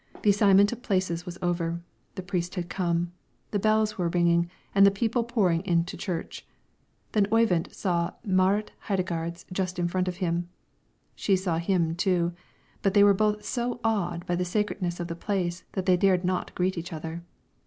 The assignment of places was over, the priest had come, the bells were ringing, and the people pouring into church. Then Oyvind saw Marit Heidegards just in front of him; she saw him too; but they were both so awed by the sacredness of the place that they dared not greet each other.